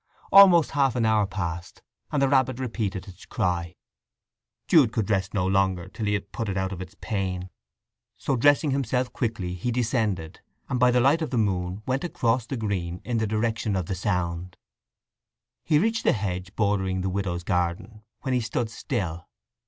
Almost half an hour passed, and the rabbit repeated its cry. Jude could rest no longer till he had put it out of its pain, so dressing himself quickly he descended, and by the light of the moon went across the green in the direction of the sound. He reached the hedge bordering the widow's garden, when he stood still.